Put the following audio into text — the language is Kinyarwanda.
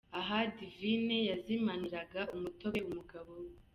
Aha Divine yazimaniraga umutobe umugabo we.